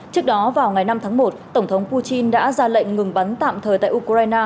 trước đó vào ngày năm tháng một tổng thống putin đã ra lệnh ngừng bắn tạm thời tại ukraine